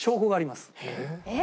えっ？